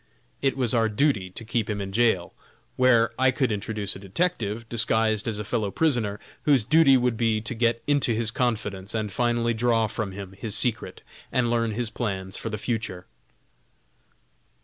It was our duty to keep him in jail, where I could introduce a detective, disguised as a fellow prisoner, whose duty would be to get into his confidence and finally draw from him his secret and learn his plans for the future.